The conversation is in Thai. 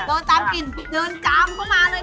เดินตามกลิ่นเดินจอมอุดเข้ามาเลย